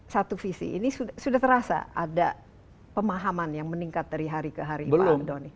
satu visi ini sudah terasa ada pemahaman yang meningkat dari hari ke hari pak doni